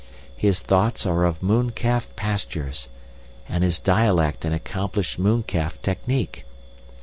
His thoughts are of mooncalf pastures, and his dialect an accomplished mooncalf technique.